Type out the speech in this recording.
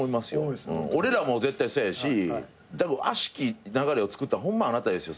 俺らも絶対そうやしたぶんあしき流れをつくったのホンマあなたですよ。